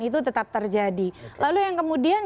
itu tetap terjadi lalu yang kemudian